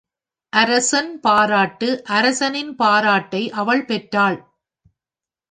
அரசன் பாராட்டு அரசனின் பாராட்டை அவள் பெற்றாள்.